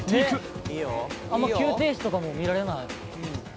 「あんま急停止とかも見られない」